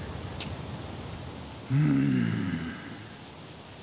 うん。